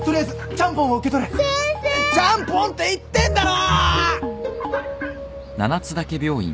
ちゃんぽんって言ってんだろ！